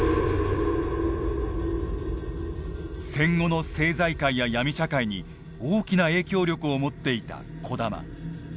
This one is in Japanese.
戦後の政財界や闇社会に大きな影響力を持っていた児玉。